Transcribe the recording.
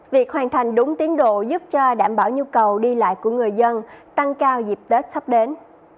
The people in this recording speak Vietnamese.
việc hoàn thành đúng tiến độ giúp cho đảm bảo nhu cầu đi lại của người dân tăng cao dịp tết sắp đến